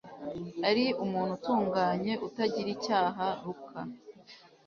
ari umuntu utunganye utagira icyaha Luka